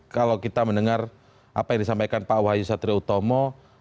kalau kita mendengar apa yang disampaikan pak wahyu satria utomo